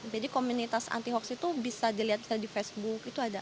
jadi komunitas anti hoax itu bisa dilihat di facebook itu ada